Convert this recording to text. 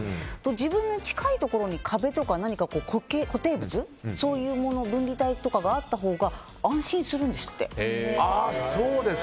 自分の近いところに壁とか固定物分離帯とかがあったほうが安心するんですって。